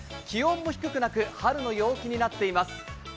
気温も低くなく春の陽気となっています。